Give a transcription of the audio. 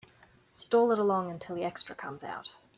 Stall it along until the extra comes out.